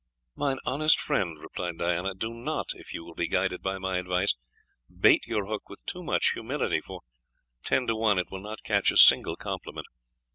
"Mine honest friend," replied Diana, "do not, if you will be guided by my advice, bait your hook with too much humility; for, ten to one, it will not catch a single compliment.